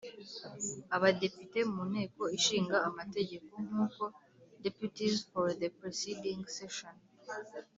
Abadepite mu Nteko Ishinga Amategeko nk uko Deputies for the preceding session